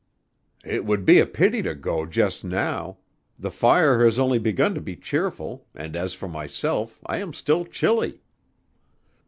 "It would be a pity to go just now. The fire has only begun to be cheerful and as for myself I am still chilly."